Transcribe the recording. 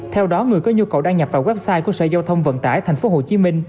theo đó người có nhu cầu đăng nhập vào website của sở giao thông vận tải tp hcm